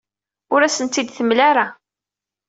Ur asen-tent-id-temla ara.